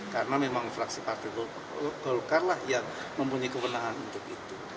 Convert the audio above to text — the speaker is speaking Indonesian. karena memang fraksi partai golkar lah yang mempunyai kewenangan untuk itu